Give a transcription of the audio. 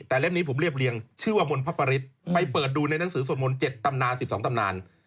แต่เล่มนี้ผมเรียบเรียงชื่อว่ามนต์พระปริศไปเปิดดูในหนังสือสวดมนต์๗ตำนาน๑๒ตำนาน